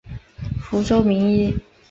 福州名医。